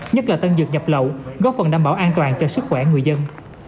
nhất là tân dược nhập lậu góp phần đảm bảo an toàn cho sức khỏe người dân